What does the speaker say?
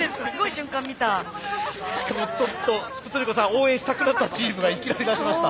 応援したくなったチームがいきなり出しました。